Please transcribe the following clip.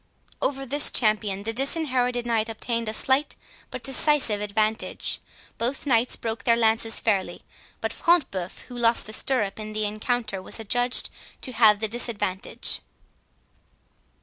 Over this champion the Disinherited Knight obtained a slight but decisive advantage. Both Knights broke their lances fairly, but Front de Bœuf, who lost a stirrup in the encounter, was adjudged to have the disadvantage.